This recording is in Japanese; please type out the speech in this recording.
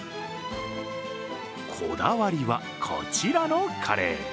こだわりは、こちらのカレー。